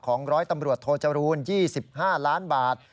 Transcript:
ร้อยตำรวจโทจรูล๒๕ล้านบาท